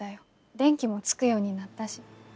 電気もつくようになったし。